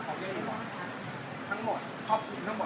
สวัสดีครับ